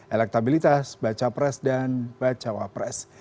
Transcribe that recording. elektabilitas baca pres dan bacawa pres